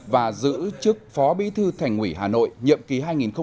và giữ chức phó bí thư thành quỷ hà nội nhậm ký hai nghìn một mươi năm hai nghìn hai mươi